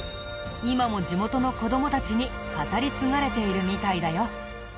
今も地元の子供たちに語り継がれているみたいだよ。